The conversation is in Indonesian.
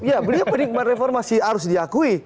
ya beliau penikmat reformasi harus diakui